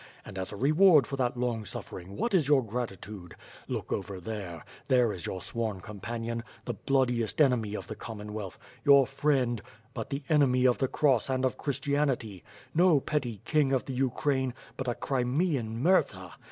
And as a reward for that long suffering w^hat is your gratitude? Look over there, — there is your sworn companion, the bloodiest enemy of the Commonwealth; your friend, but the enemy of the cross and of Christianity — no petty king of the Ukraine, but a Crimean mirza.